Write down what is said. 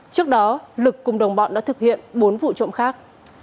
trước đó lực cùng đồng bọn đã thực hiện bốn vụ trộm khác